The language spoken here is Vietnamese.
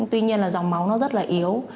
tuy nhiên là dòng máu nó rất là yếu